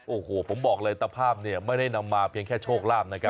โอ้โหผมบอกเลยตะภาพเนี่ยไม่ได้นำมาเพียงแค่โชคลาภนะครับ